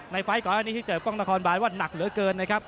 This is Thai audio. ไฟล์ก่อนอันนี้ที่เจอกล้องนครบานว่าหนักเหลือเกินนะครับ